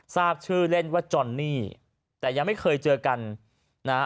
ทราบชื่อเล่นว่าจอนนี่แต่ยังไม่เคยเจอกันนะฮะ